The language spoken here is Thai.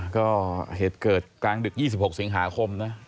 ก็เหตุเกิดกลางดึก๒๖สิงหาคมนะ